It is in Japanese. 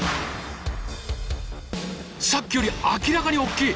さっきより明らかに大きい！